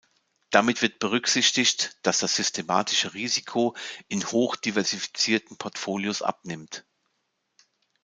Damit wird berücksichtigt, dass das systematische Risiko in hoch diversifizierten Portfolios abnimmt.